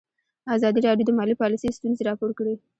ازادي راډیو د مالي پالیسي ستونزې راپور کړي.